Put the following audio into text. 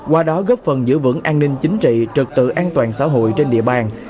qua đó góp phần giữ vững an ninh chính trị trật tự an toàn xã hội trên địa bàn